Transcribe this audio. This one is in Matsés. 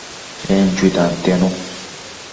En chui tantianu